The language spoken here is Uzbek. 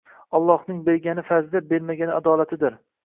Allohning bergani fazli, bermagani adolatidir.